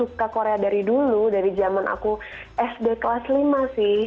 karena aku suka korea dari dulu dari jaman aku sd kelas lima sih